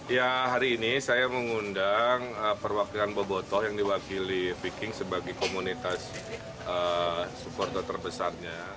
ya hari ini saya mengundang perwakilan bobotoh yang diwakili viking sebagai komunitas supporter terbesarnya